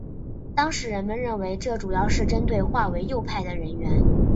当时人们认为这主要是针对划为右派的人员。